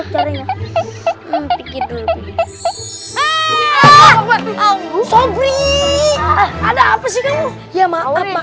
sobrini ada apa sih kamu ya maaf maaf tapi aku punya ide apa tuh gimana kalau kita umpetin